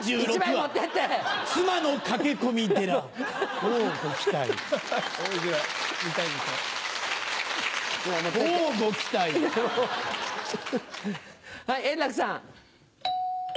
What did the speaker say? はい円楽さん。